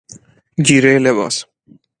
گیره لباس